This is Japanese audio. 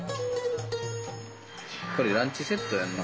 これランチセットやんな？